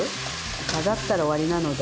混ざったら終わりなので。